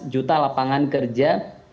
juta lapangan kerja